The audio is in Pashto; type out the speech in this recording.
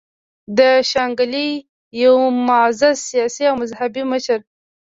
د شانګلې يو معزز سياسي او مذهبي مشر